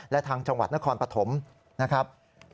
และทางจังหวัดนครปฐมนะครับ